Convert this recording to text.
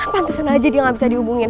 pantesan aja dia nggak bisa dihubungin